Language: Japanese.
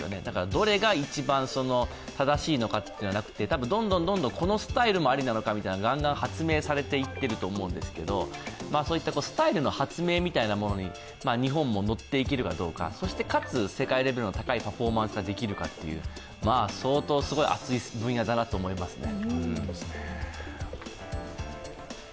どれが一番正しいのかというのじゃなくて、多分どんどんこのスタイルもありなのかというのがだんだん発明されていっていると思うんですが、スタイルの発明みたいなものに日本も乗っていけるかどうか、そしてかつ、世界レベルの高いパフォーマンスができるかという、相当すごい熱い分野だなと思いますね。